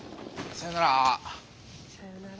さよなら。